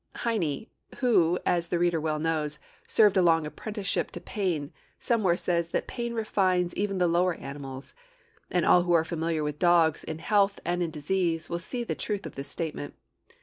Heine, who, as the reader well knows, served a long apprenticeship to pain, somewhere says that pain refines even the lower animals; and all who are familiar with dogs in health and in disease will see the truth of this statement.